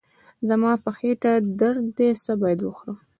زما په خېټه درد دی، څه باید وخورم؟